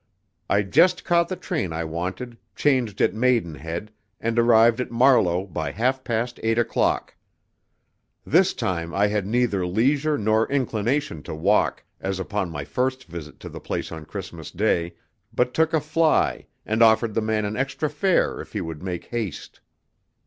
I just caught the train I wanted, changed at Maidenhead, and arrived at Marlow by half past eight o'clock. This time I had neither leisure nor inclination to walk, as upon my first visit to the place on Christmas Day, but took a fly, and offered the man an extra fare if he would make haste.